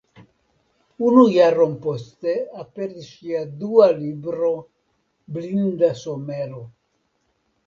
Unu jaron poste aperis ŝia dua libro Blinda somero.